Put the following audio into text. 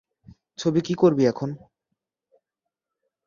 ছবি কী করবি এখন?